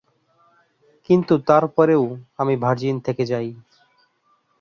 কিন্তু তারপরেও আমি ভার্জিন থেকে যাই।